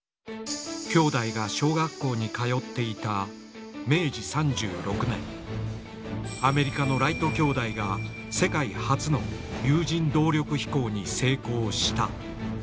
兄弟が小学校に通っていた明治３６年アメリカのライト兄弟が世界初の有人動力飛行に成功した。